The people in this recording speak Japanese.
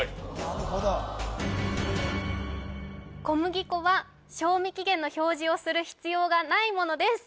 なるほど小麦粉は賞味期限の表示をする必要がないものです